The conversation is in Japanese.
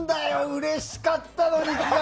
うれしかったのにさ！